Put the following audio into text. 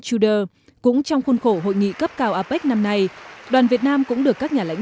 trudeau cũng trong khuôn khổ hội nghị cấp cao apec năm nay đoàn việt nam cũng được các nhà lãnh